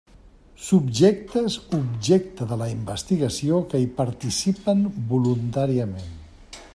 Subjectes objecte de la investigació que hi participen voluntàriament.